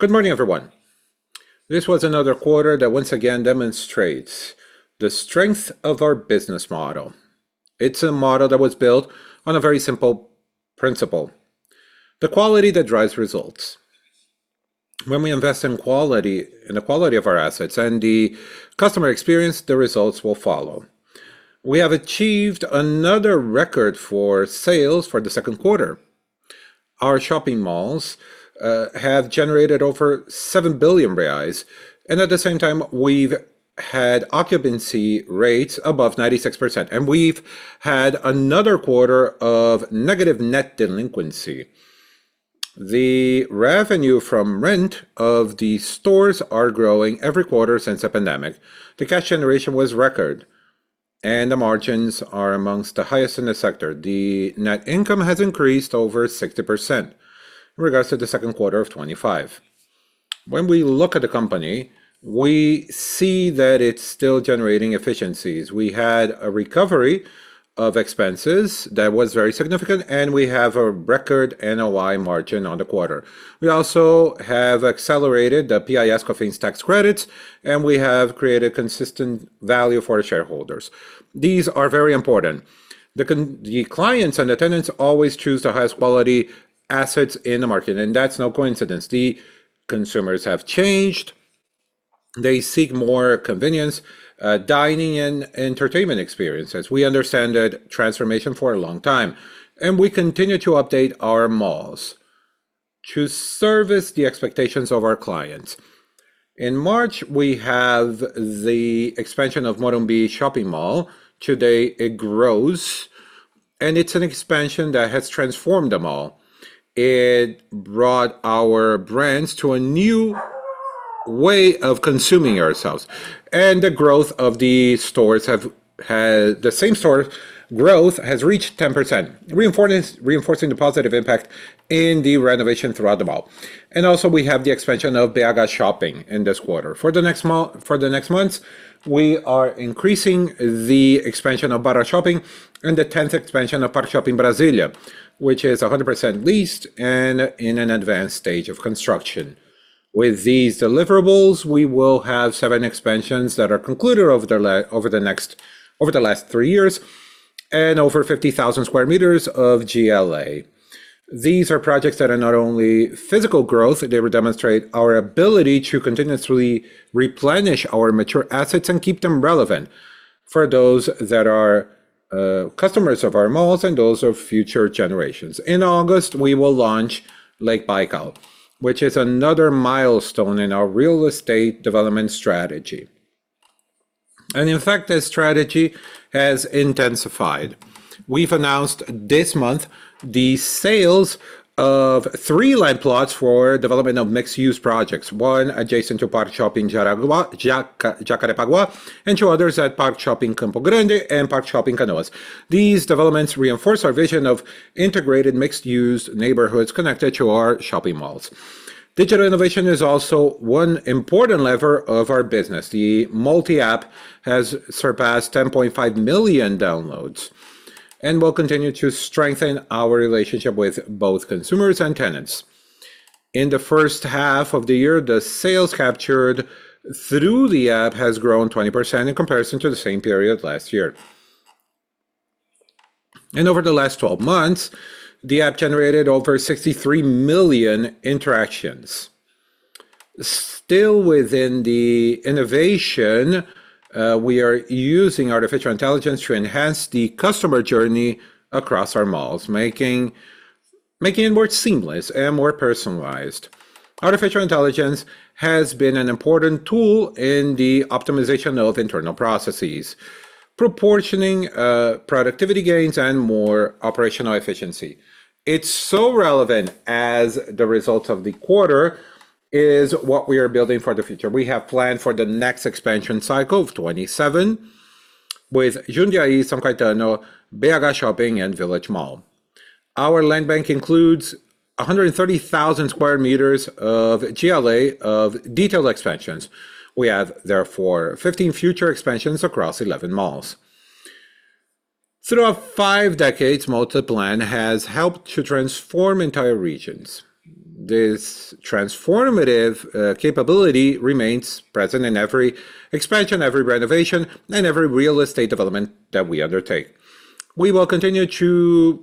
Good morning everyone. This was another quarter that once again demonstrates the strength of our business model. It's a model that was built on a very simple principle, the quality that drives results. When we invest in the quality of our assets and the customer experience, the results will follow. We have achieved another record for sales for the second quarter. Our shopping malls have generated over 7 billion reais. At the same time, we've had occupancy rates above 96%. We've had another quarter of negative net delinquency. The revenue from rent of the stores are growing every quarter since the pandemic. The cash generation was record. The margins are amongst the highest in the sector. The net income has increased over 60% in regards to the second quarter of 2025. When we look at the company, we see that it's still generating efficiencies. We had a recovery of expenses that was very significant. We have a record NOI margin on the quarter. We also have accelerated the PIS/COFINS tax credits. We have created consistent value for the shareholders. These are very important. The clients and attendants always choose the highest quality assets in the market. That's no coincidence. The consumers have changed. They seek more convenience, dining, and entertainment experiences. We understand that transformation for a long time. We continue to update our malls to service the expectations of our clients. In March, we have the expansion of MorumbiShopping mall. Today it grows. It's an expansion that has transformed the mall. It brought our brands to a new way of consuming ourselves. The same store growth has reached 10%, reinforcing the positive impact in the renovation throughout the mall. Also we have the expansion of BHShopping in this quarter. For the next months, we are increasing the expansion of BarraShopping and the 10th expansion of ParkShopping Brasília, which is 100% leased and in an advanced stage of construction. With these deliverables, we will have seven expansions that are concluded over the last three years. Over 50,000 sq m of GLA. These are projects that are not only physical growth, they will demonstrate our ability to continuously replenish our mature assets and keep them relevant for those that are customers of our malls and those of future generations. In August, we will launch Lake Baikal, which is another milestone in our real estate development strategy. In fact, this strategy has intensified. We've announced this month the sales of three land plots for development of mixed-use projects, one adjacent to ParkShopping Jacarepaguá. Two others at ParkShopping Campo Grande and ParkShopping Canoas. These developments reinforce our vision of integrated mixed-use neighborhoods connected to our shopping malls. Digital innovation is also one important lever of our business. The Multi has surpassed 10.5 million downloads. It will continue to strengthen our relationship with both consumers and tenants. In the first half of the year, the sales captured through the app has grown 20% in comparison to the same period last year. Over the last 12 months, the app generated over 63 million interactions. Still within the innovation, we are using artificial intelligence to enhance the customer journey across our malls, making it more seamless and more personalized. Artificial intelligence has been an important tool in the optimization of internal processes, proportioning productivity gains, and more operational efficiency. It is so relevant as the results of the quarter is what we are building for the future. We have planned for the next expansion cycle of 2027 with Jundiaí, São Caetano, BHShopping, and VillageMall. Our land bank includes 130,000 sq m of GLA of detailed expansions. We have therefore 15 future expansions across 11 malls. Throughout five decades, Multiplan has helped to transform entire regions. This transformative capability remains present in every expansion, every renovation, and every real estate development that we undertake. We will continue to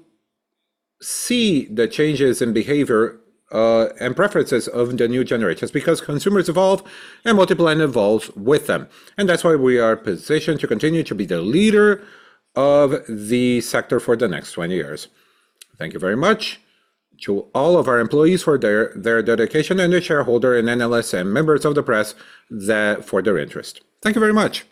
see the changes in behavior and preferences of the new generations because consumers evolve and Multiplan evolves with them, and that is why we are positioned to continue to be the leader of the sector for the next 20 years. Thank you very much to all of our employees for their dedication, and the shareholder and analysts and members of the press for their interest. Thank you very much.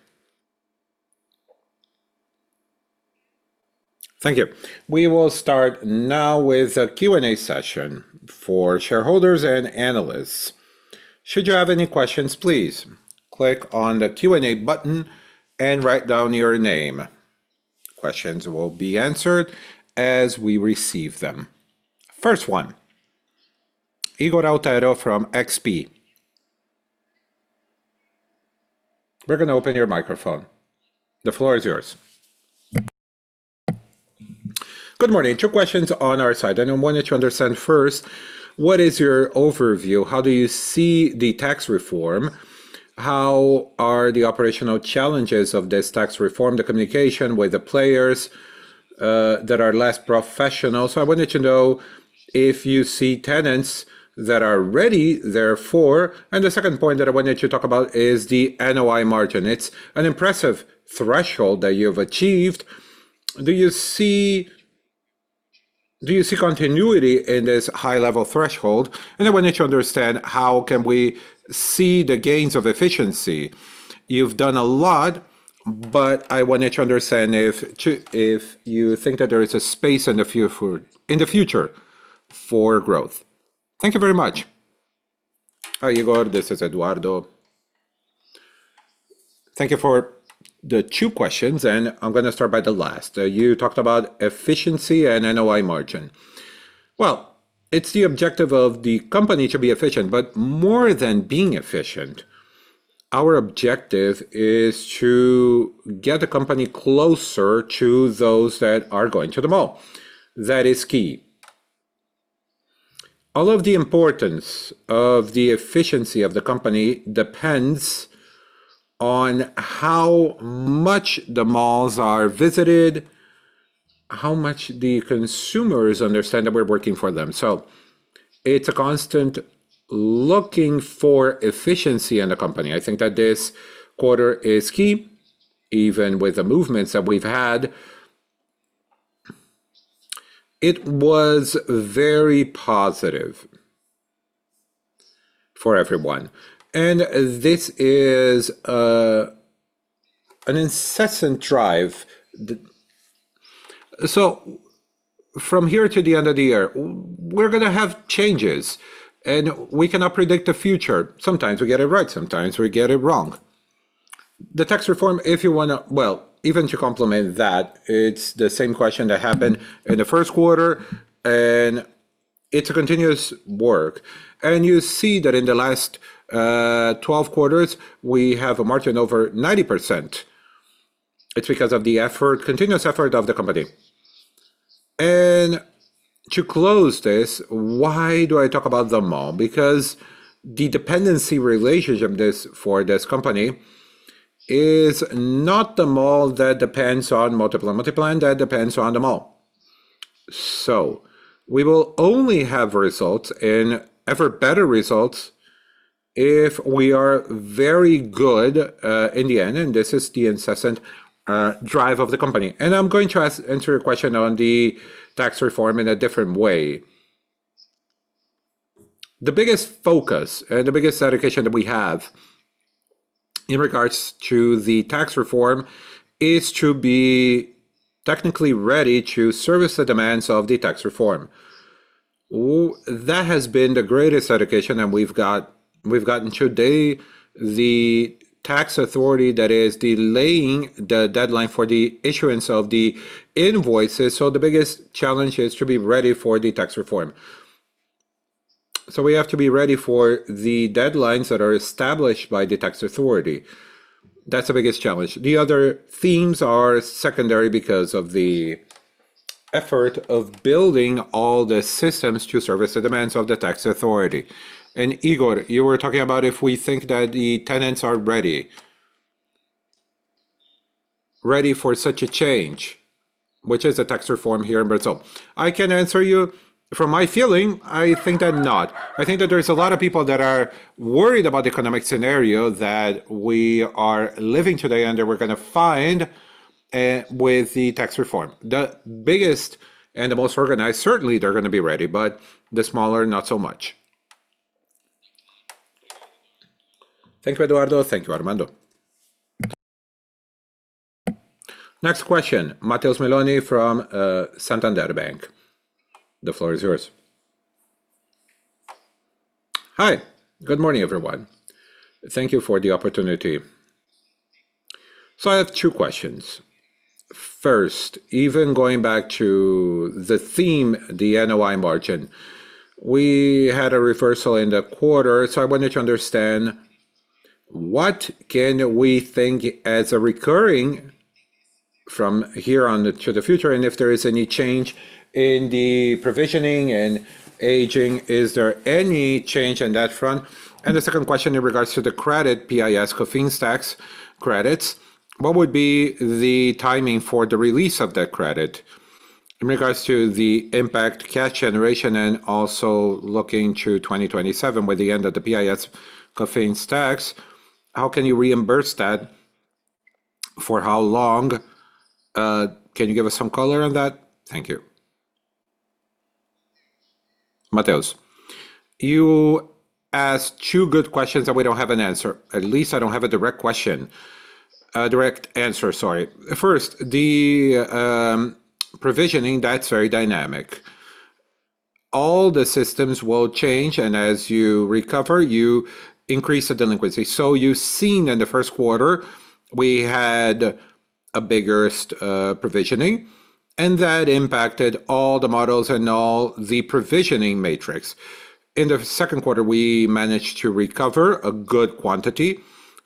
Thank you. We will start now with a Q&A session for shareholders and analysts. Should you have any questions, please click on the Q&A button and write down your name. Questions will be answered as we receive them. First one, Ygor Altero from XP. We are going to open your microphone. The floor is yours. Good morning. Two questions on our side. I wanted to understand first, what is your overview? How do you see the tax reform? How are the operational challenges of this tax reform, the communication with the players that are less professional? I wanted to know if you see tenants that are ready therefore. The second point that I wanted to talk about is the NOI margin. It is an impressive threshold that you have achieved. Do you see continuity in this high-level threshold? I wanted to understand how can we see the gains of efficiency. You have done a lot, but I wanted to understand if you think that there is a space in the future for growth. Thank you very much. Hi, Ygor. This is Eduardo. Thank you for the two questions. I am going to start by the last. You talked about efficiency and NOI margin. Well, it is the objective of the company to be efficient, but more than being efficient, our objective is to get the company closer to those that are going to the mall. That is key. All of the importance of the efficiency of the company depends on how much the malls are visited, how much the consumers understand that we are working for them. It is a constant looking for efficiency in the company. I think that this quarter is key, even with the movements that we have had. It was very positive for everyone. This is an incessant drive. From here to the end of the year, we are going to have changes. We cannot predict the future. Sometimes we get it right, sometimes we get it wrong. The tax reform, well, even to complement that, it is the same question that happened in the first quarter, and it is a continuous work. You see that in the last 12 quarters, we have a margin over 90%. It is because of the continuous effort of the company. To close this, why do I talk about the mall? The dependency relationship for this company is not the mall that depends on Multiplan. Multiplan depends on the mall. We will only have results and ever better results if we are very good in the end, and this is the incessant drive of the company. I'm going to answer your question on the tax reform in a different way. The biggest focus and the biggest dedication that we have in regards to the tax reform is to be technically ready to service the demands of the tax reform. That has been the greatest dedication, and we've gotten today the tax authority that is delaying the deadline for the issuance of the invoices. The biggest challenge is to be ready for the tax reform. We have to be ready for the deadlines that are established by the tax authority. That's the biggest challenge. The other themes are secondary because of the effort of building all the systems to service the demands of the tax authority. Ygor, you were talking about if we think that the tenants are ready for such a change, which is a tax reform here in Brazil. I can answer you, from my feeling, I think they're not. I think that there's a lot of people that are worried about the economic scenario that we are living today and that we're going to find with the tax reform. The biggest and the most organized, certainly they're going to be ready, but the smaller, not so much. Thank you, Eduardo. Thank you, Armando. Next question, Matheus Meloni from Santander Bank. The floor is yours. Good morning, everyone. Thank you for the opportunity. I have two questions. First, even going back to the theme, the NOI margin. We had a reversal in the quarter, I wanted to understand what can we think as recurring from here on to the future, and if there is any change in the provisioning and aging, is there any change on that front? The second question in regards to the credit, PIS/COFINS tax credits, what would be the timing for the release of that credit in regards to the impact cash generation and also looking to 2027 with the end of the PIS/COFINS tax? How can you reimburse that? For how long? Can you give us some color on that? Thank you. Matheus, you asked two good questions that we don't have an answer. At least I don't have a direct answer, sorry. First, the provisioning, that's very dynamic. All the systems will change, as you recover, you increase the delinquency. You've seen in the first quarter, we had a big hurt provisioning, that impacted all the models and all the provisioning matrix. In the second quarter, we managed to recover a good quantity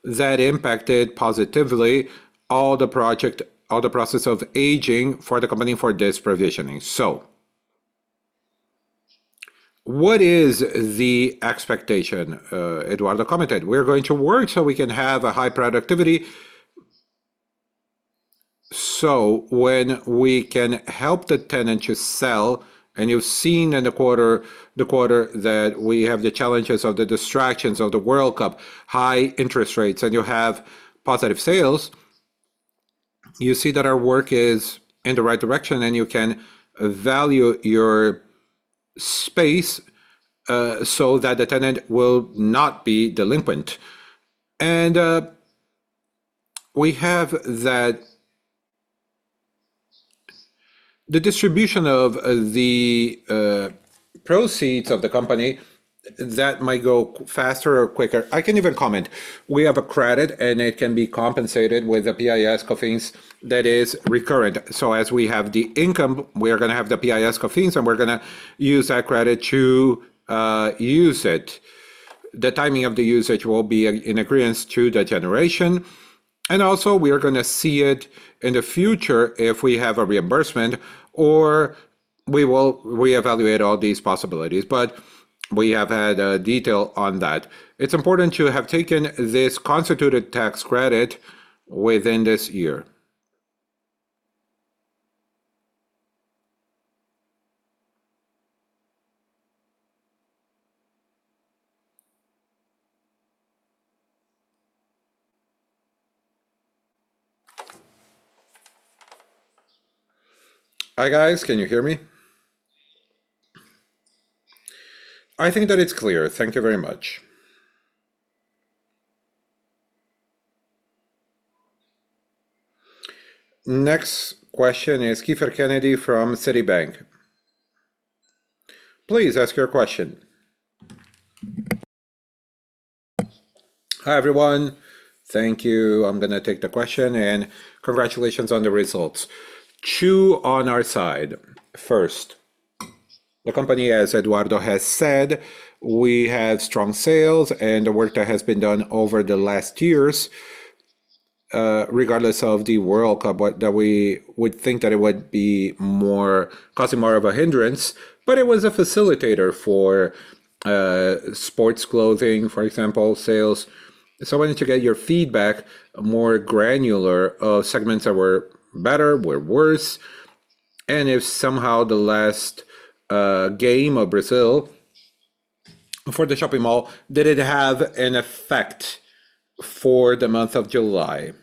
that impacted positively all the process of aging for the company for this provisioning. What is the expectation? Eduardo commented, "We're going to work so we can have a high productivity, so when we can help the tenant to sell, and you've seen in the quarter that we have the challenges of the World Cup, high interest rates, and you have positive sales, you see that our work is in the right direction, and you can value your space, so that the tenant will not be delinquent." We have that the distribution of the proceeds of the company that might go faster or quicker. I can even comment. We have a credit, and it can be compensated with the PIS/COFINS that is recurrent. As we have the income, we are going to have the PIS/COFINS, and we're going to use that credit to use it. The timing of the usage will be in accordance to the generation, and also we are going to see it in the future if we have a reimbursement or we will reevaluate all these possibilities. We have had detail on that. It's important to have taken this constituted tax credit within this year. Hi, guys. Can you hear me? I think that it's clear. Thank you very much. Next question is Kiepher Kennedy from Citibank. Please ask your question. Hi, everyone. Thank you. I'm going to take the question, and congratulations on the results. Two on our side. First, the company, as Eduardo has said, we had strong sales and the work that has been done over the last years, regardless of the World Cup, that we would think that it would be causing more of a hindrance, but it was a facilitator for sports clothing, for example, sales. I wanted to get your feedback, more granular of segments that were better, were worse, and if somehow the last game of Brazil for the shopping mall, did it have an effect for the month of July?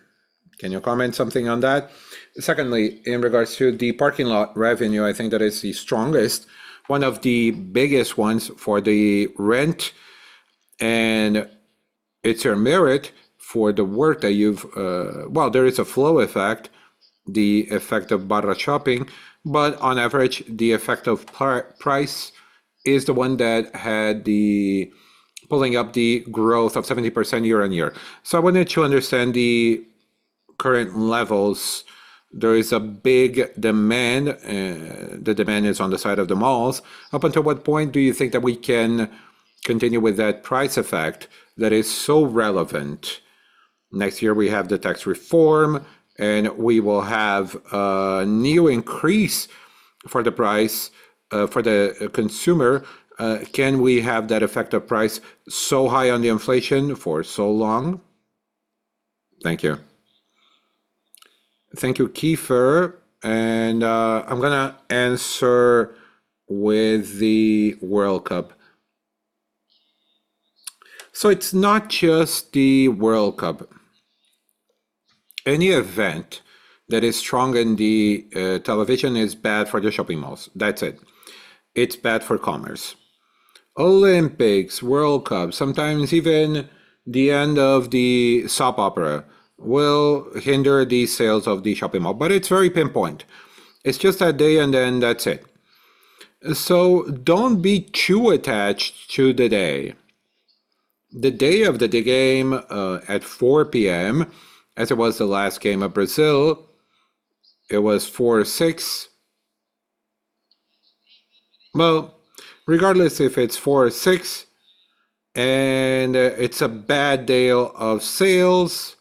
Can you comment something on that? Secondly, in regards to the parking lot revenue, I think that is the strongest. One of the biggest ones for the rent, and it's a merit for the work that. Well, there is a flow effect, the effect of BarraShopping, but on average, the effect of price is the one that had the pulling up the growth of 70% year-over-year. I wanted to understand the current levels. There is a big demand. The demand is on the side of the malls. Up until what point do you think that we can continue with that price effect that is so relevant? Next year, we have the tax reform, and we will have a new increase for the price for the consumer. Can we have that effect of price so high on the inflation for so long? Thank you. Thank you, Kiepher. I'm going to answer with the World Cup. It's not just the World Cup. Any event that is strong in the television is bad for the shopping malls. That's it. It's bad for commerce. Olympics, World Cup, sometimes even the end of the soap opera will hinder the sales of the shopping mall, but it's very pinpoint. It's just that day, and then that's it. Don't be too attached to the day. The day of the game at 4:00 P.M., as it was the last game of Brazil, it was 4-6. Regardless if it's four or six and it's a bad day of sales,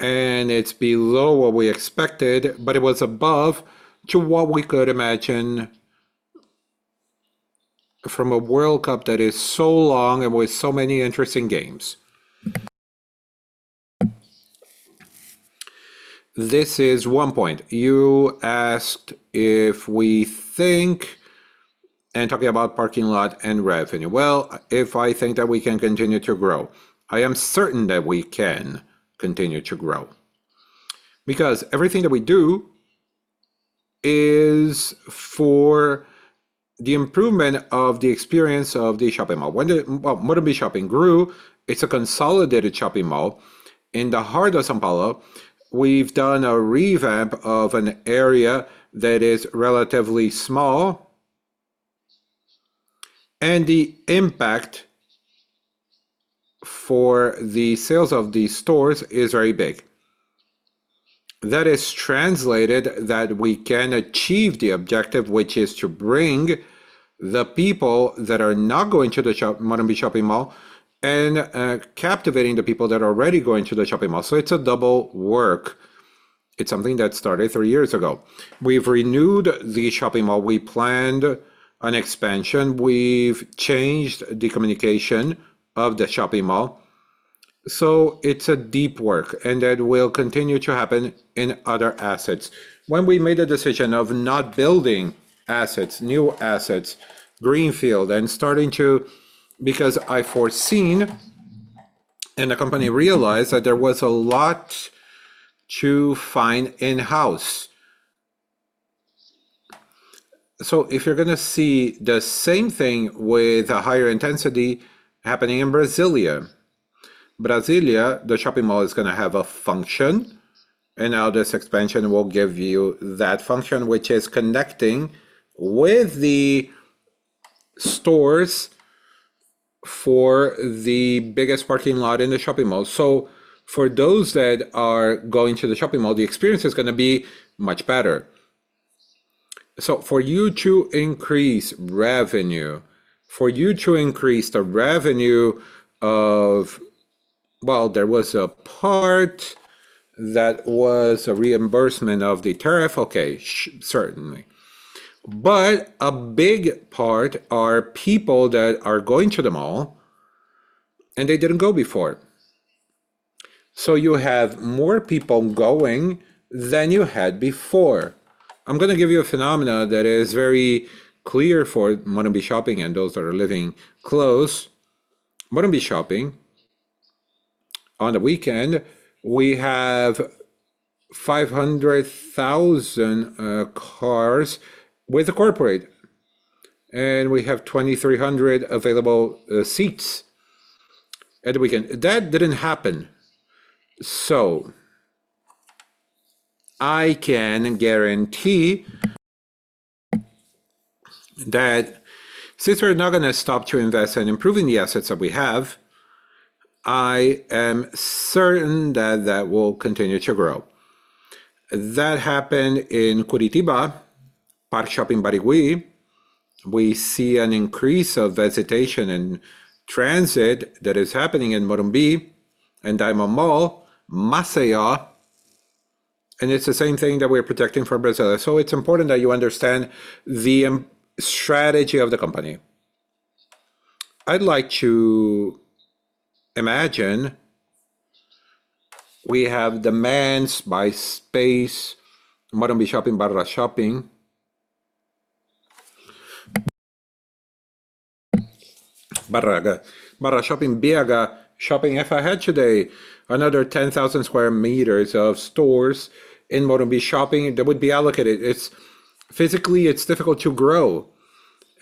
and it's below what we expected, but it was above to what we could imagine from a World Cup that is so long and with so many interesting games. This is one point. You asked if we think, and talking about parking lot and revenue. If I think that we can continue to grow. I am certain that we can continue to grow because everything that we do is for the improvement of the experience of the shopping mall. When the MorumbiShopping grew, it's a consolidated shopping mall in the heart of São Paulo. We've done a revamp of an area that is relatively small. The impact for the sales of these stores is very big. That is translated that we can achieve the objective, which is to bring the people that are not going to the MorumbiShopping mall, and captivating the people that are already going to the shopping mall. It's a double work. It's something that started three years ago. We've renewed the shopping mall. We planned an expansion. We've changed the communication of the shopping mall. It's a deep work, and that will continue to happen in other assets. When we made a decision of not building new assets, greenfield, and starting to, because I foreseen, and the company realized that there was a lot to find in-house. If you're going to see the same thing with a higher intensity happening in Brasília. Brasília, the shopping mall is going to have a function, and now this expansion will give you that function, which is connecting with the stores for the biggest parking lot in the shopping mall. For those that are going to the shopping mall, the experience is going to be much better. For you to increase the revenue of-- There was a part that was a reimbursement of the tariff. Okay, certainly. A big part are people that are going to the mall, and they didn't go before. You have more people going than you had before. I'm going to give you a phenomena that is very clear for MorumbiShopping and those that are living close. MorumbiShopping, on the weekend, we have 500,000 cars with a corporate, and we have 2,300 available seats at the weekend. That didn't happen. I can guarantee that since we're not going to stop to invest in improving the assets that we have, I am certain that that will continue to grow. That happened in Curitiba, ParkShopping Barigüi. We see an increase of visitation and transit that is happening in Morumbi, and DiamondMall, Massaia, and it's the same thing that we're protecting for Brazil. It's important that you understand the strategy of the company. I'd like to imagine we have demands by space, MorumbiShopping, BarraShopping. [inaudible] If I had today another 10,000 sq m of stores in MorumbiShopping, that would be allocated. Physically, it's difficult to grow,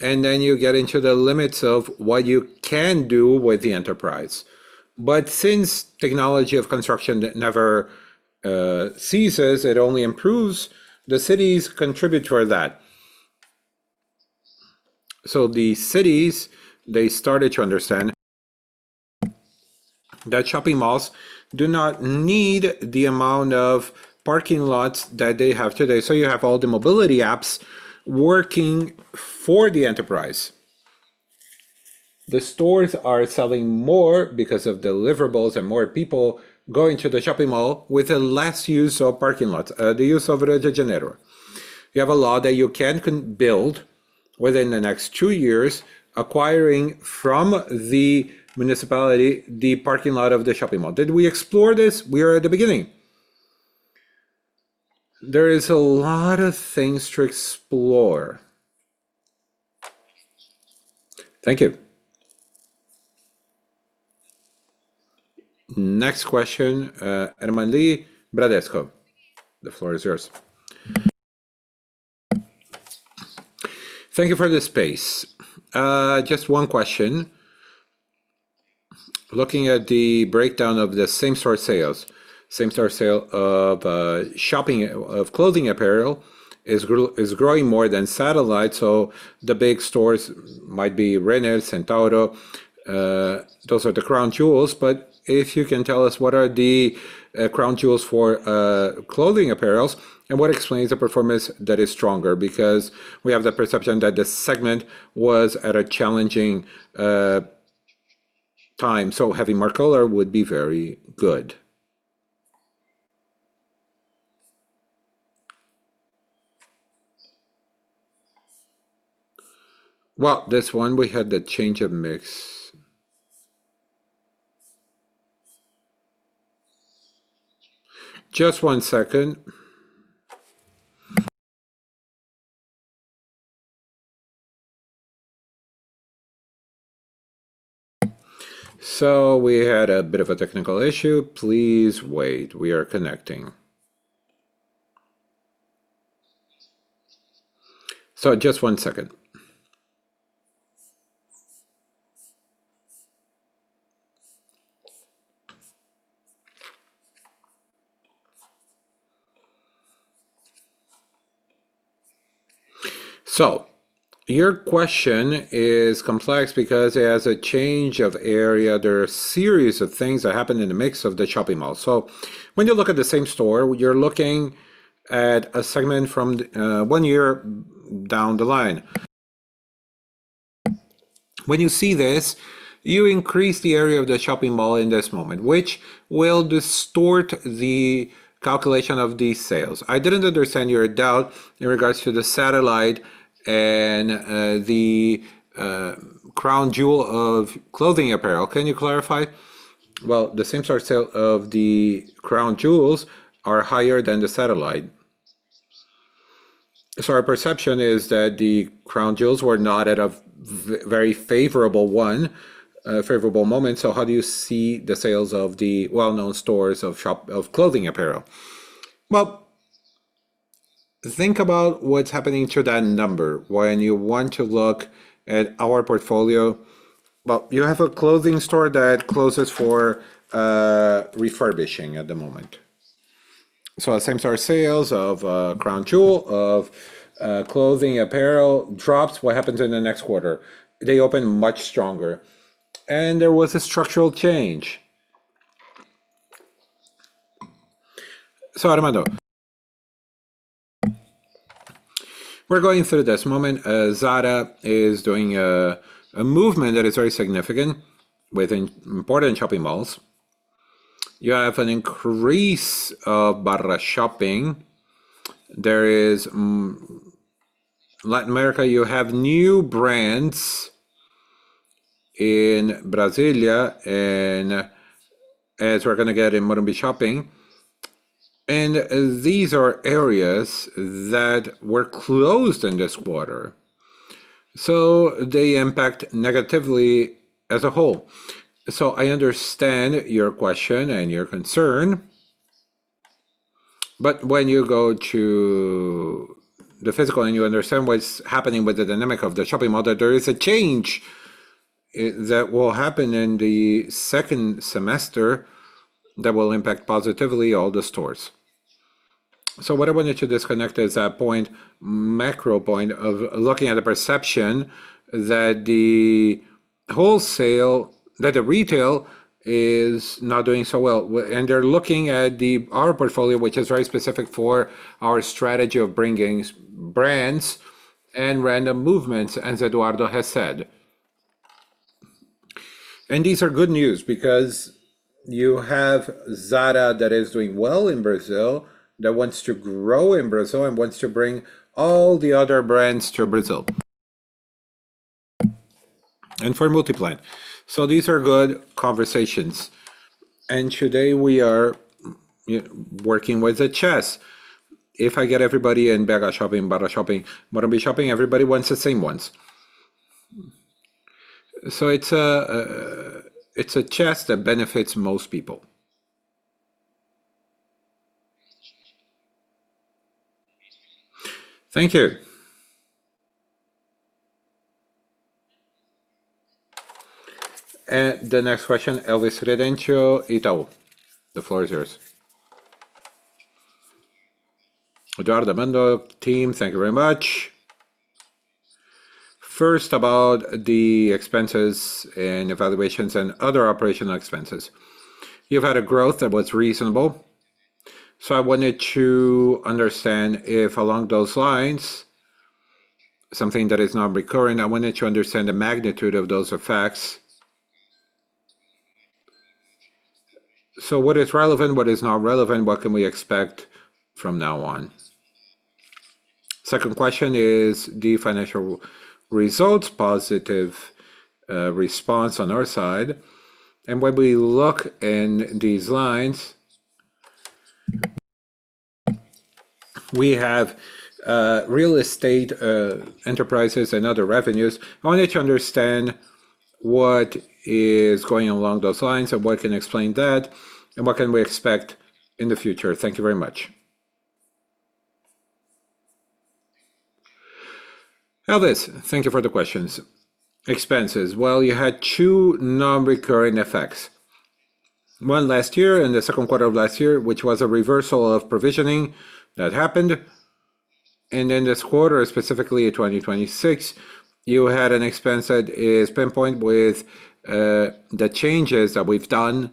and then you get into the limits of what you can do with the enterprise. Since technology of construction never ceases, it only improves, the cities contribute toward that. The cities, they started to understand that shopping malls do not need the amount of parking lots that they have today. You have all the mobility apps working for the enterprise. The stores are selling more because of deliverables and more people going to the shopping mall with a less use of parking lots. The use of Rio de Janeiro. You have a law that you can build within the next two years, acquiring from the municipality the parking lot of the shopping mall. Did we explore this? We are at the beginning. There is a lot of things to explore. Thank you. Next question, Herman Lee, Bradesco. The floor is yours. Thank you for the space. Just one question. Looking at the breakdown of the same-store sales of clothing apparel is growing more than satellite, so the big stores might be Renner, Centauro. Those are the crown jewels. If you can tell us what are the crown jewels for clothing apparels, and what explains the performance that is stronger? Because we have the perception that the segment was at a challenging time. Having more color would be very good. This one, we had the change of mix. Your question is complex because it has a change of area. There are a series of things that happen in the mix of the shopping mall. When you look at the same store, you're looking at a segment from one year down the line. When you see this, you increase the area of the shopping mall in this moment, which will distort the calculation of these sales. I didn't understand your doubt in regards to the satellite and the crown jewel of clothing apparel. Can you clarify? The same-store sales of the crown jewels are higher than the satellite. Our perception is that the crown jewels were not at a very favorable moment. How do you see the sales of the well-known stores of clothing apparel? Think about what's happening to that number when you want to look at our portfolio. You have a clothing store that closes for refurbishing at the moment. Same-store sales of crown jewel, of clothing apparel drops. What happens in the next quarter? They open much stronger, and there was a structural change. Armando, we're going through this moment. Zara is doing a movement that is very significant with important shopping malls. You have an increase of BarraShopping. There is Latin America, you have new brands in Brasília, and as we're going to get in MorumbiShopping, these are areas that were closed in this quarter. They impact negatively as a whole. I understand your question and your concern, when you go to the physical and you understand what's happening with the dynamic of the shopping mall, there is a change that will happen in the second semester that will impact positively all the stores. What I wanted to disconnect is that macro point of looking at the perception that the retail is not doing so well, and they're looking at our portfolio, which is very specific for our strategy of bringing brands and random movements, as Eduardo has said. These are good news because you have Zara that is doing well in Brazil, that wants to grow in Brazil and wants to bring all the other brands to Brazil. For Multiplan, these are good conversations. Today we are working with the chess. If I get everybody in BarraShopping, MorumbiShopping, everybody wants the same ones. It's a chess that benefits most people. Thank you. The next question, Elvis Credendio, Itaú BBA, the floor is yours. Eduardo, Armando, team, thank you very much. First, about the expenses and evaluations and other operational expenses. You've had a growth that was reasonable. I wanted to understand if along those lines, something that is not recurring, I wanted to understand the magnitude of those effects. What is relevant, what is not relevant, what can we expect from now on? Second question is the financial results, positive response on our side. When we look in these lines, we have real estate enterprises and other revenues. I wanted to understand what is going along those lines and what can explain that, and what can we expect in the future. Thank you very much. Elvis, thank you for the questions. Expenses. You had two non-recurring effects. One last year in the second quarter of last year, which was a reversal of provisioning that happened. In this quarter, specifically 2026, you had an expense that is pinpoint with the changes that we've done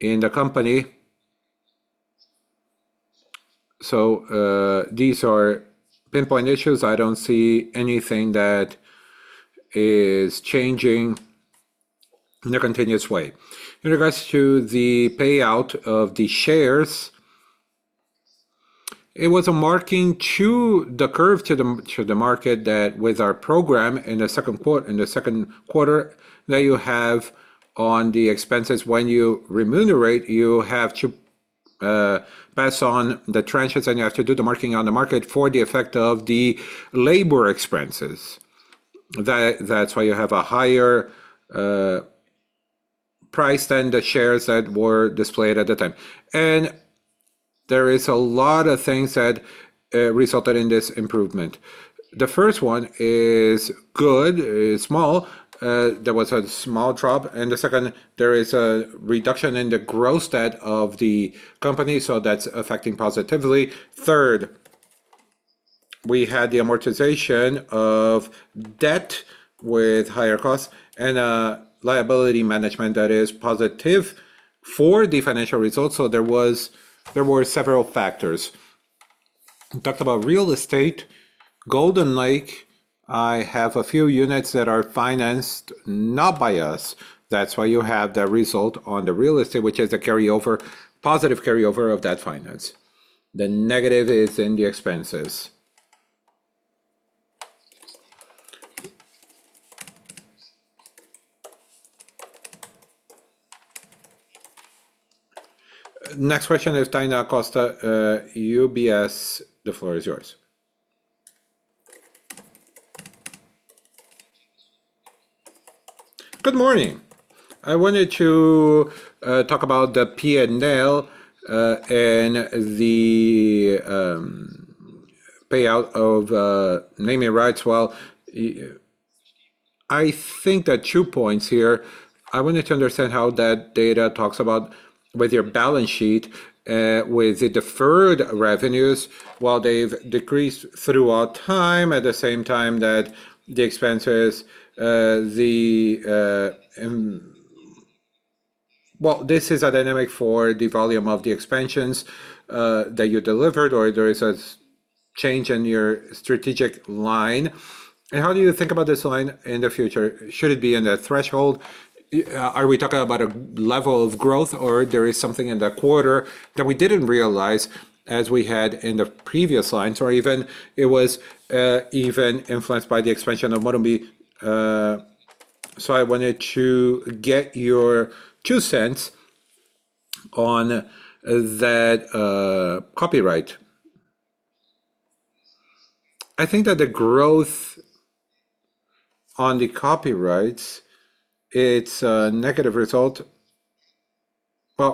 in the company. These are pinpoint issues. I don't see anything that is changing in a continuous way. In regards to the payout of the shares, it was a marking to market that with our program in the second quarter, that you have on the expenses, when you remunerate, you have to pass on the transfers, and you have to do the marketing on the market for the effect of the labor expenses. That's why you have a higher price than the shares that were displayed at the time. There is a lot of things that resulted in this improvement. The first one is good, small. There was a small drop. The second, there is a reduction in the gross debt of the company, that's affecting positively. Third, we had the amortization of debt with higher costs and liability management that is positive for the financial results. There were several factors. We talked about real estate, Golden Lake, I have a few units that are financed not by us. That's why you have that result on the real estate, which is the positive carryover of that finance. The negative is in the expenses. Next question is Tainan Costa, UBS. The floor is yours. Good morning. I wanted to talk about the P&L, and the payout of naming rights. I think that two points here, I wanted to understand how that data talks about with your balance sheet, with the deferred revenues, while they've decreased throughout time, at the same time that the expenses. This is a dynamic for the volume of the expansions, that you delivered, or there is a change in your strategic line. How do you think about this line in the future? Should it be in the threshold? Are we talking about a level of growth, or there is something in the quarter that we didn't realize as we had in the previous lines, or it was even influenced by the expansion of Morumbi? I wanted to get your two cents on that key money. I think that the growth on the key money, it's a negative result.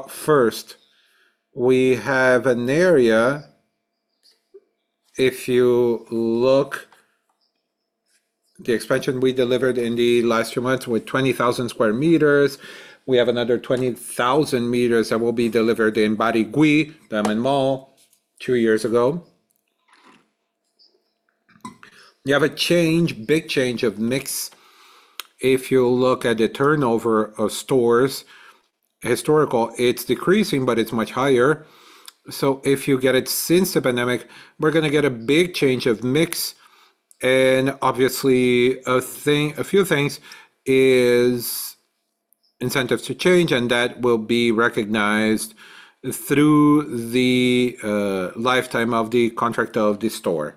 First, we have an area, if you look, the expansion we delivered in the last few months with 20,000 sq m. We have another 20,000 sq m that will be delivered in Barigüi, that mall, two years ago. You have a big change of mix. If you look at the turnover of stores, historical, it's decreasing, but it's much higher. If you get it since the pandemic, we're going to get a big change of mix, and obviously, a few things is incentives to change, and that will be recognized through the lifetime of the contract of the store.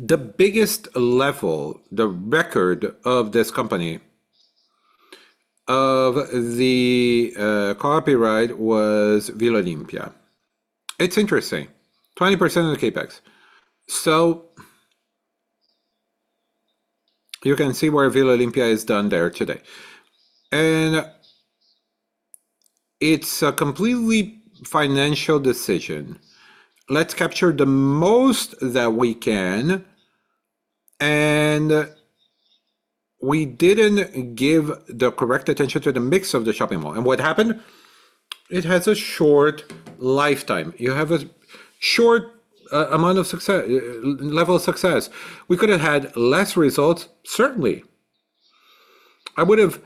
The biggest level, the record of this company of the key money was VilaOlímpia. It's interesting. 20% of the CapEx. You can see where VilaOlímpia is done there today, and it's a completely financial decision. Let's capture the most that we can, and we didn't give the correct attention to the mix of the shopping mall. What happened? It has a short lifetime. You have a short level of success. We could have had less results, certainly. I would have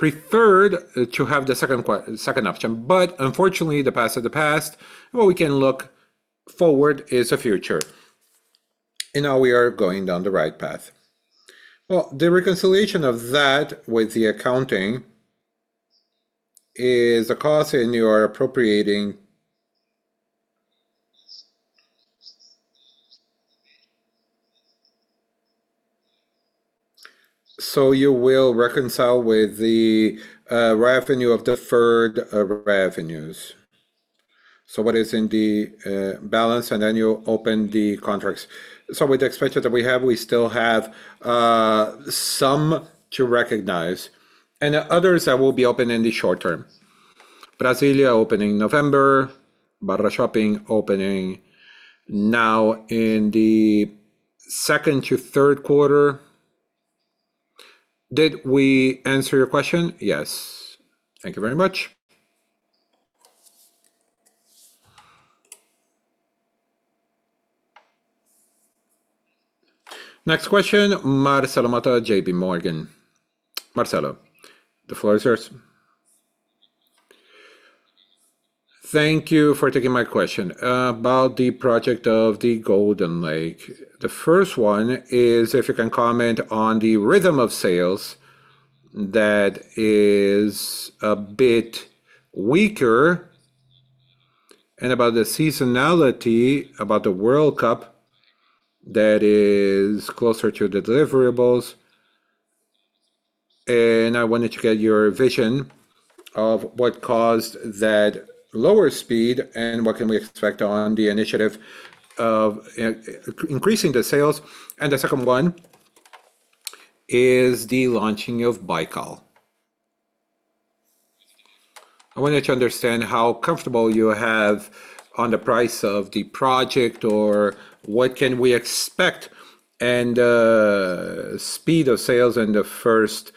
preferred to have the second option, but unfortunately, the past is the past. What we can look forward is the future, and now we are going down the right path. Well, the reconciliation of that with the accounting is a cost, and you are appropriating. You will reconcile with the revenue of deferred revenues. What is in the balance, and then you open the contracts. With the expenses that we have, we still have some to recognize, and others that will be open in the short-term. Brasília opening November, BarraShopping opening now in the second to third quarter. Did we answer your question? Yes. Thank you very much. Next question, Marcelo Motta, JPMorgan. Marcelo, the floor is yours. Thank you for taking my question about the project of the Golden Lake. The first one is if you can comment on the rhythm of sales that is a bit weaker, and about the seasonality about the World Cup that is closer to the deliverables. I wanted to get your vision of what caused that lower speed, and what can we expect on the initiative of increasing the sales. The second one is the launching of Baikal. I wanted to understand how comfortable you have on the price of the project, or what can we expect, and speed of sales in the first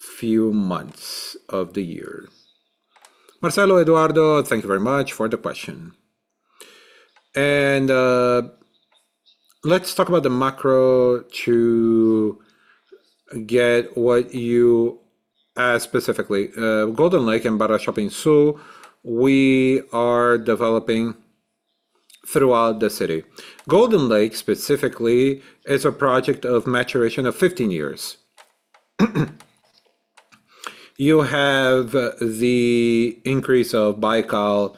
few months of the year. Marcelo, Eduardo, thank you very much for the question. Let's talk about the macro to get what you asked specifically. Golden Lake and Barra Shopping Sul, we are developing throughout the city. Golden Lake, specifically, is a project of maturation of 15 years. You have the increase of Baikal,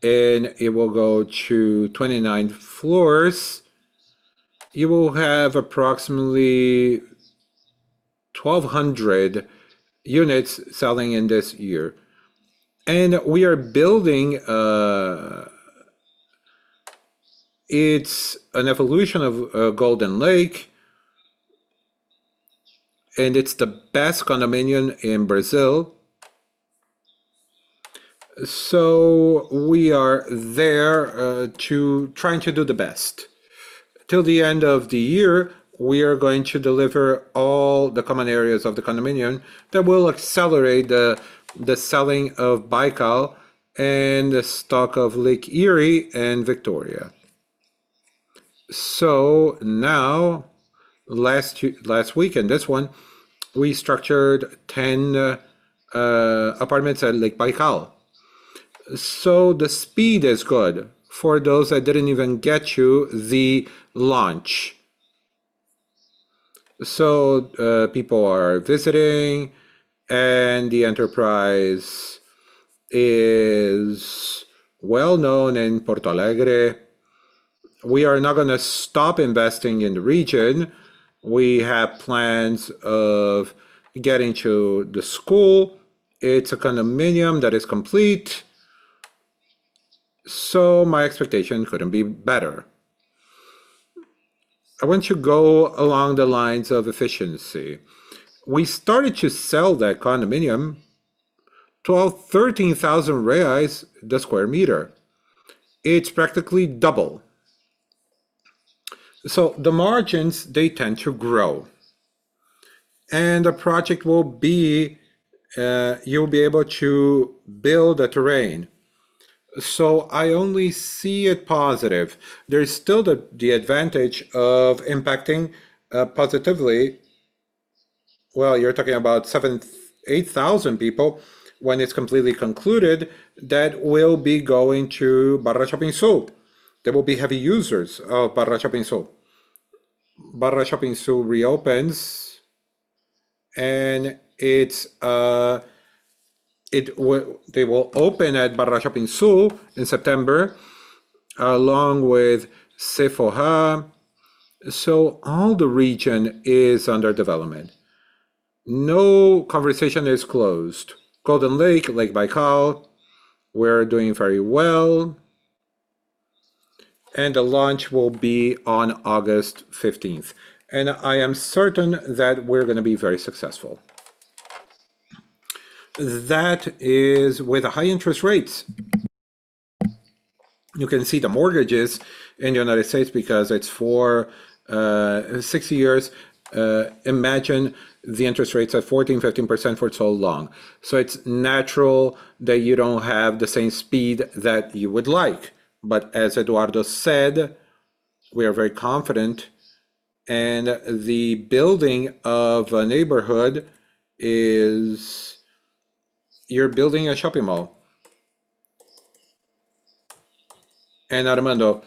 it will go to 29 floors. You will have approximately 1,200 units selling in this year. We are building. It's an evolution of Golden Lake, and it's the best condominium in Brazil. We are there trying to do the best. Till the end of the year, we are going to deliver all the common areas of the condominium that will accelerate the selling of Lake Baikal and the stock of Lake Eyre and Victoria. Now, last week and this one, we structured 10 apartments at Lake Baikal. The speed is good for those that didn't even get you the launch. People are visiting, and the enterprise is well-known in Porto Alegre. We are not going to stop investing in the region. We have plans of getting to the school. It's a condominium that is complete, my expectation couldn't be better. I want to go along the lines of efficiency. We started to sell that condominium 13,000 reais the square meter. It's practically double. The margins, they tend to grow. The project will be, you'll be able to build a terrain. I only see it positive. There is still the advantage of impacting positively, well, you're talking about 7,000 to 8,000 people when it's completely concluded that will be going to BarraShopping Sul. They will be heavy users of BarraShopping Sul. BarraShopping Sul reopens, and they will open at BarraShopping Sul in September, along with Sephora. All the region is under development. No conversation is closed. Golden Lake Baikal, we're doing very well. The launch will be on August 15th. I am certain that we're going to be very successful. That is with the high interest rates. You can see the mortgages in the U.S. because it's for six years. Imagine the interest rates at 14%, 15% for so long. It's natural that you don't have the same speed that you would like. As Eduardo said, we are very confident, and the building of a neighborhood is you're building a shopping mall. Armando,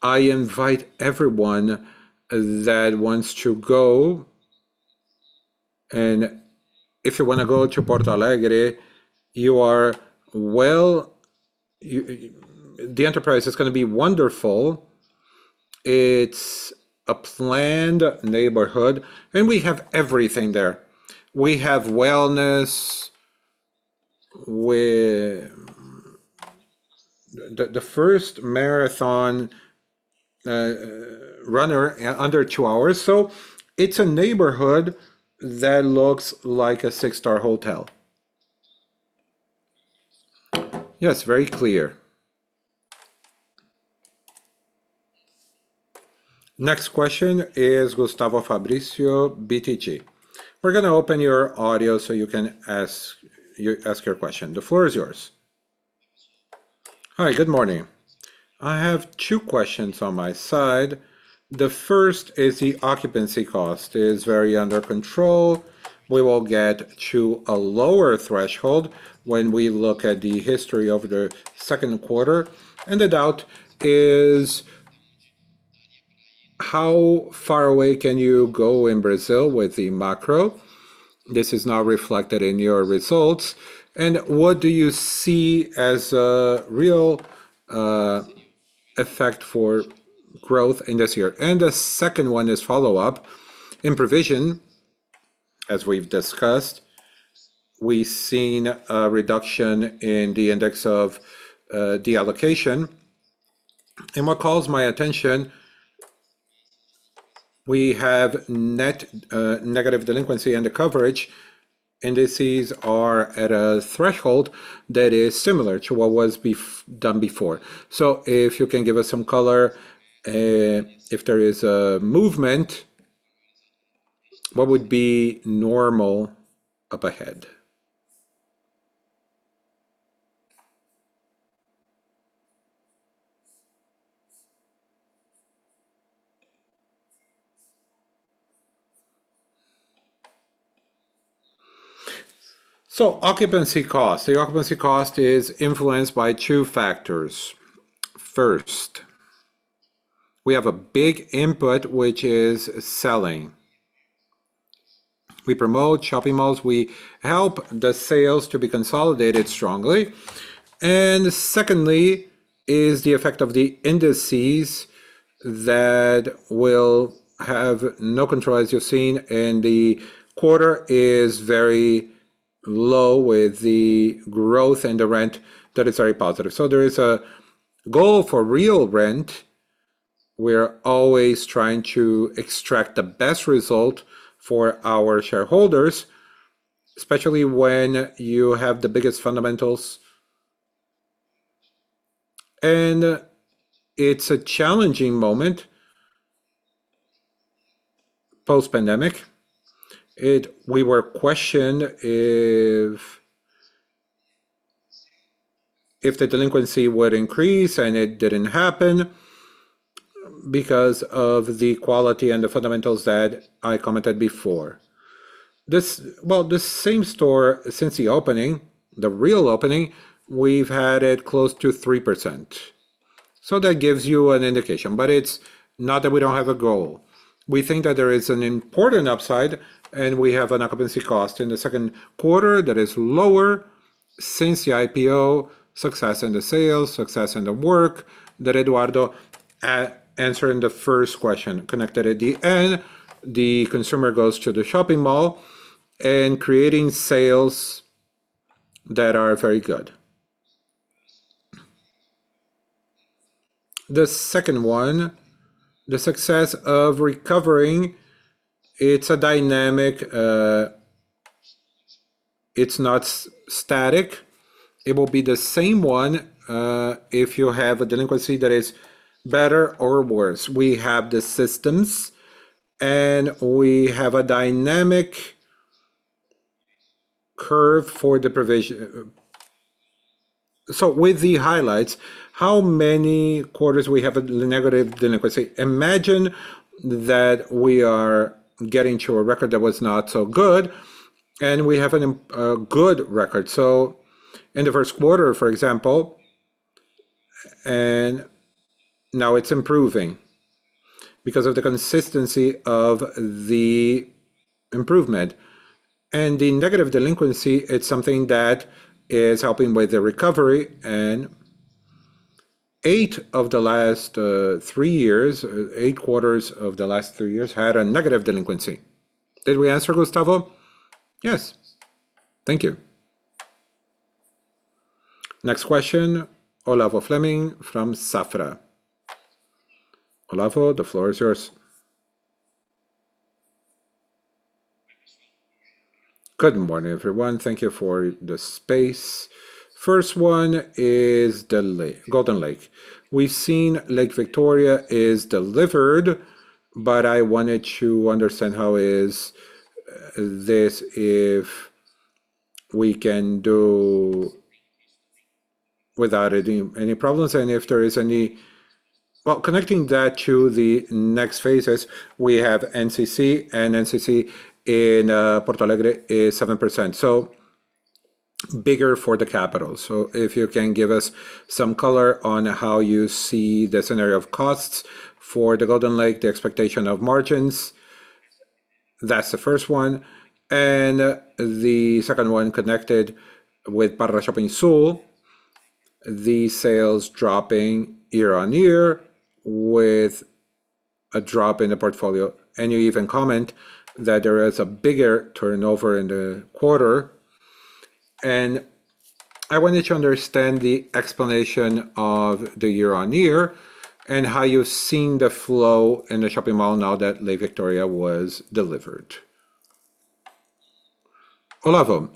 I invite everyone that wants to go, and if you want to go to Porto Alegre, the enterprise is going to be wonderful. It's a planned neighborhood, and we have everything there. We have wellness, the first marathon runner under two hours, so it's a neighborhood that looks like a six-star hotel. Yes, very clear. Next question is Gustavo Fabris, BTG. We're going to open your audio so you can ask your question. The floor is yours. Hi, good morning. I have two questions on my side. The first is the occupancy cost is very under control. We will get to a lower threshold when we look at the history of the second quarter, the doubt is how far away can you go in Brazil with the macro? This is now reflected in your results. What do you see as a real effect for growth in this year? The second one is follow-up. In provision, as we've discussed, we've seen a reduction in the index of deallocation. What calls my attention, we have net negative delinquency, and the coverage indices are at a threshold that is similar to what was done before. If you can give us some color, if there is a movement, what would be normal up ahead. Occupancy cost. The occupancy cost is influenced by two factors. First, we have a big input, which is selling. We promote shopping malls. We help the sales to be consolidated strongly. Secondly, is the effect of the indices that will have no control as you're seeing, and the quarter is very low with the growth and the rent, that is very positive. There is a goal for real rent. We're always trying to extract the best result for our shareholders, especially when you have the biggest fundamentals. It's a challenging moment post-pandemic. We were questioned if the delinquency would increase, and it didn't happen because of the quality and the fundamentals that I commented before. Well, the same store since the opening, the real opening, we've had it close to 3%. That gives you an indication, but it's not that we don't have a goal. We think that there is an important upside. We have an occupancy cost in the second quarter that is lower since the IPO, success in the sales, success in the work that Eduardo, answering the first question, connected at the end, the consumer goes to the shopping mall and creating sales that are very good. The second one, the success of recovering, it's a dynamic. It's not static. It will be the same one, if you have a delinquency that is better or worse. We have the systems, and we have a dynamic curve for the provision. With the highlights, how many quarters we have a negative delinquency? Imagine that we are getting to a record that was not so good, and we have a good record. In the first quarter, for example, and now it's improving because of the consistency of the improvement. The negative delinquency, it's something that is helping with the recovery, and eight of the last three years, eight quarters of the last three years had a negative delinquency. Did we answer, Gustavo? Yes. Thank you. Next question, Olavo Fleming from Safra. Olavo, the floor is yours. Good morning, everyone. Thank you for the space. First one is Golden Lake. We've seen Lake Victoria is delivered, but I wanted to understand how is this if we can do without any problems and if there is any. Well, connecting that to the next phases, we have INCC, and INCC in Porto Alegre is 7%, bigger for the capital. If you can give us some color on how you see the scenario of costs for the Golden Lake, the expectation of margins. That's the first one. The second one connected with BarraShopping Sul, the sales dropping year-over-year with a drop in the portfolio, and you even comment that there is a bigger turnover in the quarter. I wanted to understand the explanation of the year-over-year and how you're seeing the flow in the shopping mall now that Lake Victoria was delivered. Olavo,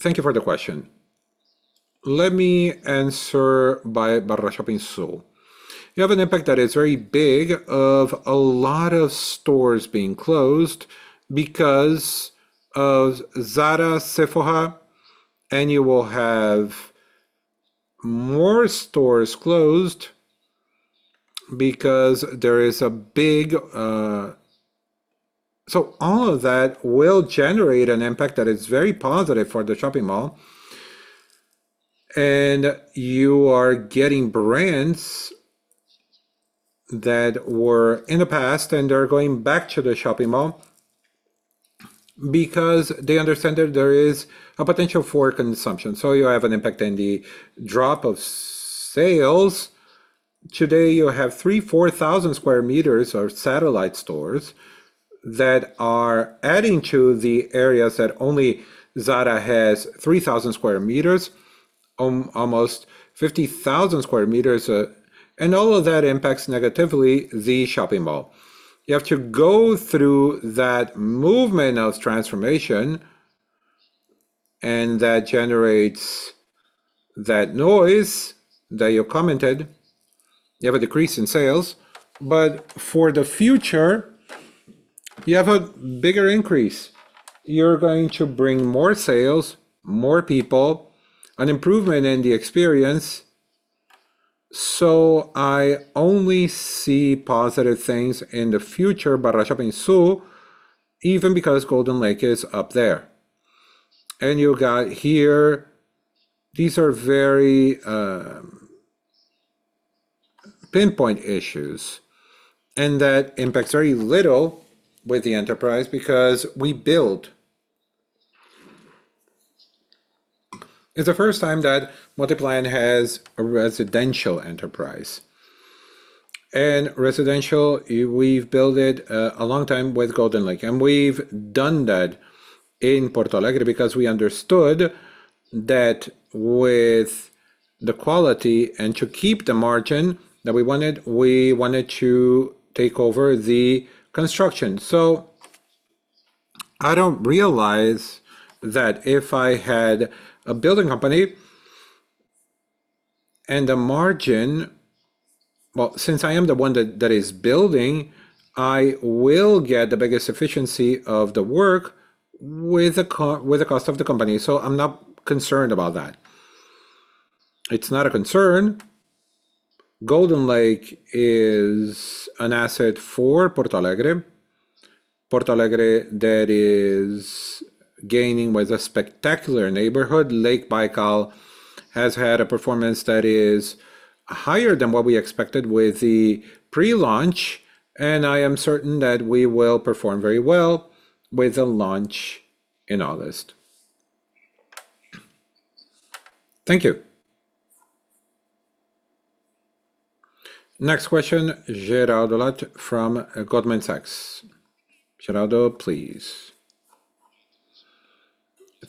thank you for the question. Let me answer by BarraShopping Sul. You have an impact that is very big of a lot of stores being closed because of Zara, Sephora, and you will have more stores closed because there is a big. All of that will generate an impact that is very positive for the shopping mall. You are getting brands that were in the past, they're going back to the shopping mall because they understand that there is a potential for consumption. You have an impact in the drop of sales. Today, you have 3,000, 4,000 sq m of satellite stores that are adding to the areas that only Zara has 3,000 sq m, almost 50,000 sq m. All of that impacts negatively the shopping mall. You have to go through that movement of transformation. That generates that noise that you commented. You have a decrease in sales, but for the future, you have a bigger increase. You're going to bring more sales, more people, an improvement in the experience. I only see positive things in the future, BarraShopping Sul, even because Golden Lake is up there. You got here, these are very pinpoint issues, that impacts very little with the enterprise because we build. It's the first time that Multiplan has a residential enterprise. Residential, we've built it a long time with Golden Lake, we've done that in Porto Alegre because we understood that with the quality and to keep the margin that we wanted, we wanted to take over the construction. I don't realize that if I had a building company and a margin. Well, since I am the one that is building, I will get the biggest efficiency of the work with the cost of the company. I'm not concerned about that. It's not a concern. Golden Lake is an asset for Porto Alegre. Porto Alegre that is gaining with a spectacular neighborhood. Lake Baikal has had a performance that is higher than what we expected with the pre-launch, and I am certain that we will perform very well with a launch in August. Thank you. Next question, Jorel Guilloty from Goldman Sachs. Jorel, please.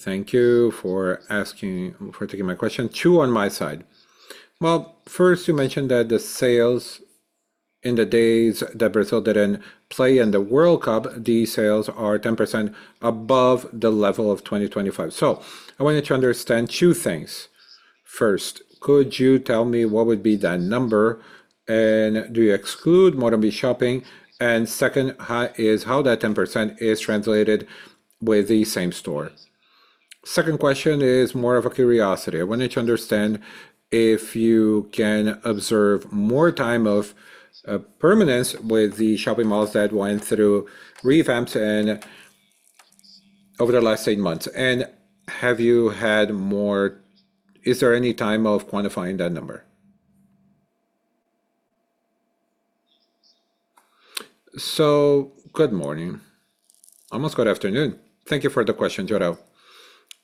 Thank you for taking my question. First, you mentioned that the sales in the days that Brazil didn't play in the World Cup, these sales are 10% above the level of 2025. I want you to understand two things. First, could you tell me what would be that number, and do you exclude MorumbiShopping? Second, is how that 10% is translated with the same store. Second question is more of a curiosity. I wanted to understand if you can observe more time of permanence with the shopping malls that went through revamps over the last eight months. Is there any time of quantifying that number? Good morning. Almost good afternoon. Thank you for the question, Jorel.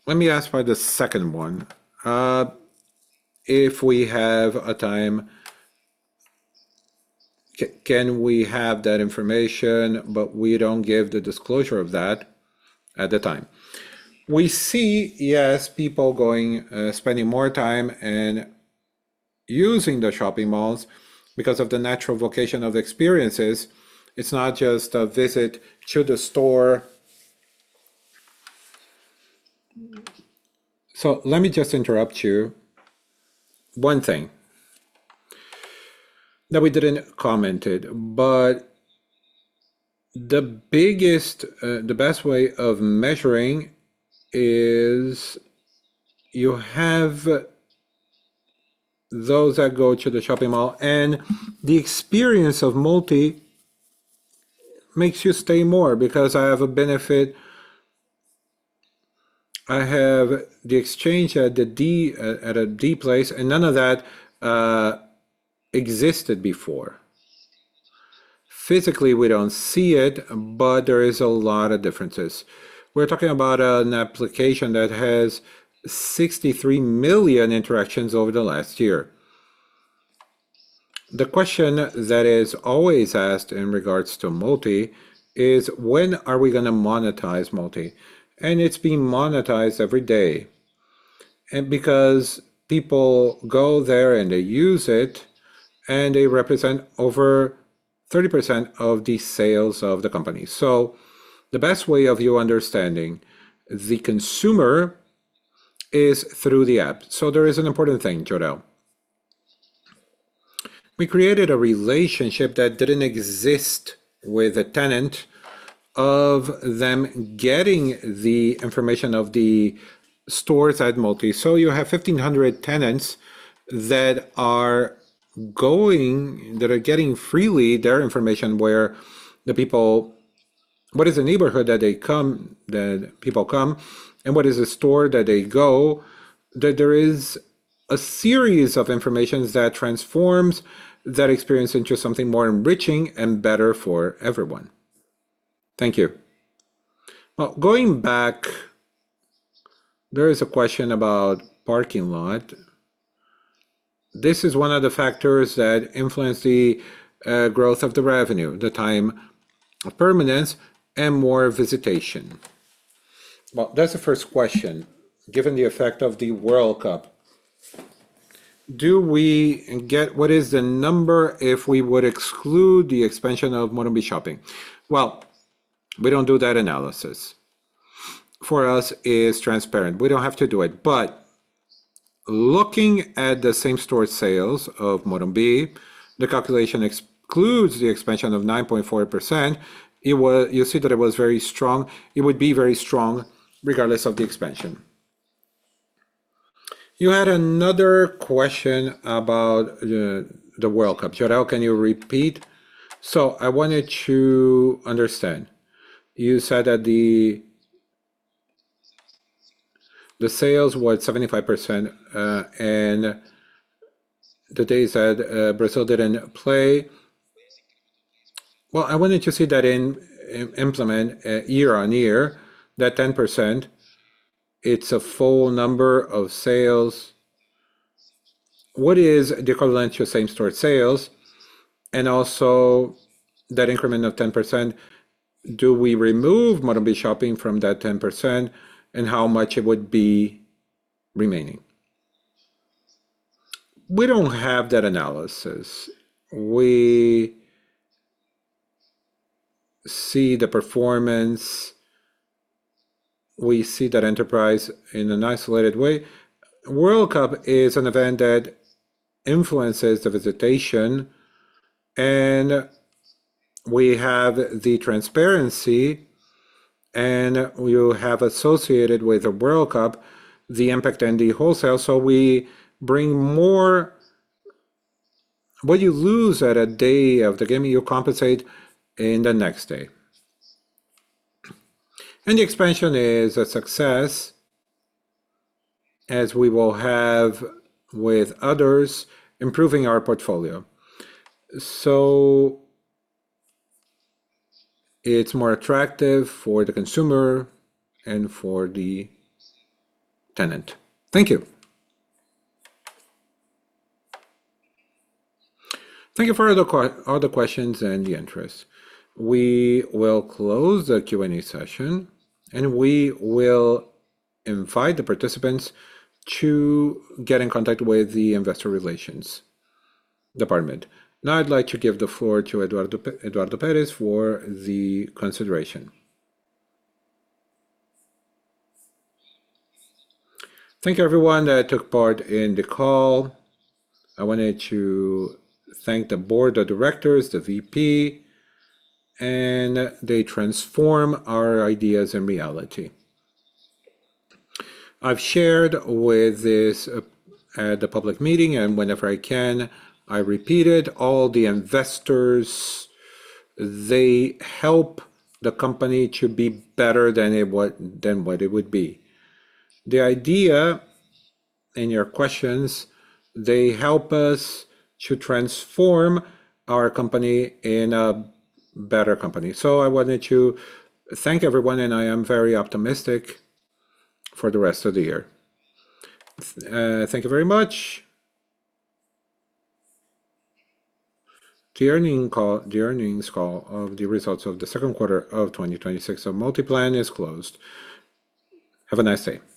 Let me ask for the second one. If we have a time, can we have that information, but we don't give the disclosure of that at the time. We see, yes, people spending more time and using the shopping malls because of the natural vocation of experiences. It's not just a visit to the store. Let me just interrupt you. One thing that we didn't commented, but the best way of measuring is you have those that go to the shopping mall, and the experience of Multi makes you stay more because I have a benefit. I have the exchange at a D place, and none of that existed before. Physically, we don't see it, but there is a lot of differences. We're talking about an application that has 63 million interactions over the last year. The question that is always asked in regards to Multi is when are we going to monetize Multi? It's being monetized every day. Because people go there and they use it, and they represent over 30% of the sales of the company. The best way of you understanding the consumer is through the app. There is an important thing, Jorel. We created a relationship that didn't exist with a tenant of them getting the information of the stores at Multi. You have 1,500 tenants that are getting freely their information where the people-- What is the neighborhood that people come, and what is the store that they go, that there is a series of informations that transforms that experience into something more enriching and better for everyone. Thank you. Going back, there is a question about parking lot. This is one of the factors that influence the growth of the revenue, the time of permanence and more visitation. That's the first question. Given the effect of the World Cup What is the number if we would exclude the expansion of MorumbiShopping? We don't do that analysis. For us, it's transparent. We don't have to do it. Looking at the same-store sales of Morumbi, the calculation excludes the expansion of 9.4%. You'll see that it was very strong. It would be very strong regardless of the expansion. You had another question about the World Cup. Jorel, can you repeat? I wanted to understand. You said that the sales were at 75%, and the days that Brazil didn't play. I wanted to see that implement year-over-year, that 10%, it's a full number of sales. What is the equivalent to same-store sales, and also that increment of 10%? Do we remove MorumbiShopping from that 10%, and how much it would be remaining? We don't have that analysis. We see the performance. We see that enterprise in an isolated way. World Cup is an event that influences the visitation, and we have the transparency, and you have associated with the World Cup, the impact and the wholesale. We bring more-- What you lose at a day of the game, you compensate in the next day. The expansion is a success, as we will have with others, improving our portfolio. It's more attractive for the consumer and for the tenant. Thank you. Thank you for all the questions and the interest. We will close the Q&A session, and we will invite the participants to get in contact with the investor relations department. Now, I'd like to give the floor to Eduardo Peres for the consideration. Thank you, everyone, that took part in the call. I wanted to thank the board of directors, the VP, and they transform our ideas and reality. I've shared with this at the public meeting, whenever I can, I repeat it. All the investors, they help the company to be better than what it would be. The idea in your questions, they help us to transform our company in a better company. I wanted to thank everyone, I am very optimistic for the rest of the year. Thank you very much. The earnings call of the results of the second quarter of 2026 of Multiplan is closed. Have a nice day.